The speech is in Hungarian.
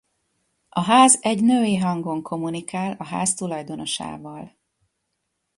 A ház egy női hangon kommunikál a ház tulajdonosával.